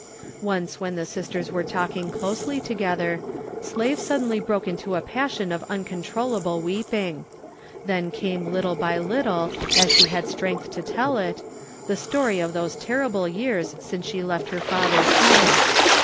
Once when the sisters were talking closely together, Slave suddenly broke into a passion of uncontrollable weeping. Then came little by little as she had strength to tell it, the story of those terrible years since she left her father's home.